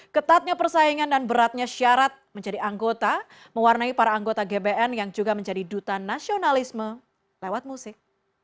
ketatnya persaingan dan beratnya syarat menjadi anggota mewarnai para anggota gbn yang juga menjadi duta nasionalisme lewat musik